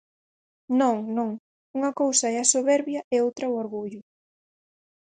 Non, non, unha cousa é a soberbia e outra o orgullo.